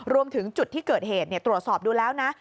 รวมถึงจุดที่เกิดเหตุตรวจสอบดูแล้วนะ